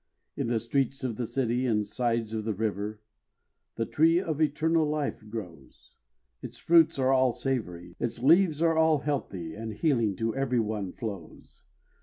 In the streets of the City and sides of the river The Tree of eternal Life grows; Its fruits are all savoury, its leaves are all healthy, And healing to every one flows.